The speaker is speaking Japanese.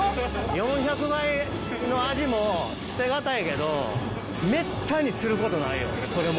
４００倍のアジも捨て難いけどめったに釣ることないよこれも。